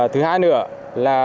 thứ hai nữa là